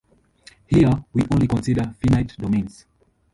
Here we only consider finite domains.